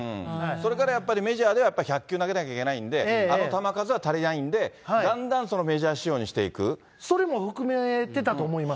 それからやっぱり、メジャーでは１００球投げなきゃいけないので、あの球数じゃ足りないんで、だんだんそのメジャー仕様にしてそれも含めてたと思います。